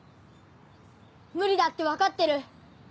無理だって分かってる。